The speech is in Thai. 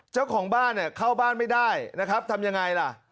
เจ้าของบ้านเนี่ยเข้าบ้านไม่ได้นะครับทำยังไงล่ะ